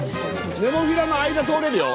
ネモフィラの間通れるよ。